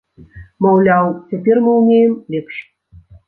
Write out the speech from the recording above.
Маўляў, цяпер мы ўмеем лепш.